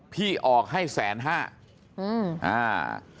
พี่ออกให้แสนมั่งห้า